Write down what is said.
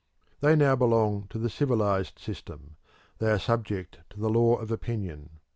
They now belong to the civilised system; they are subject to the law of opinion.